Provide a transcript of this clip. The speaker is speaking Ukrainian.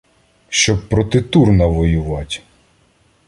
Щоб проти Турна воювать.